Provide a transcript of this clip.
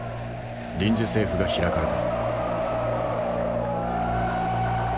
臨時政府が開かれた。